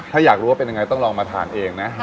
ถ้าอยากรู้เป็นยังไงต้องมาถานเองนะครับ